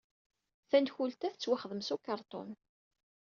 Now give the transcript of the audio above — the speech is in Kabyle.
Tankult-a tettwaxdem s ukerṭun.